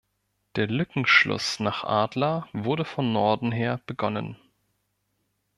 Der Lückenschluss nach Adler wurde von Norden her begonnen.